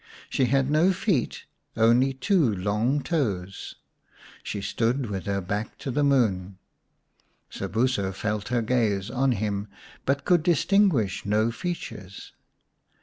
She had no feet, only two long toes. She stood with her back to the moon ; Sobuso felt her gaze on him, but could distinguish no features.